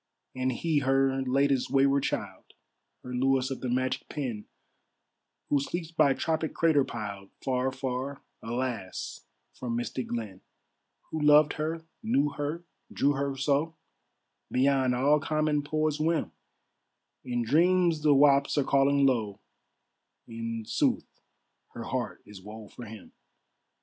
And he her latest wayward child, Her Louis of the magic pen, Who sleeps by tropic crater piled, Far, far, alas, from misted glen; Who loved her, knew her, drew her so, Beyond all common poet's whim; In dreams the whaups are calling low, In sooth her heart is woe for him.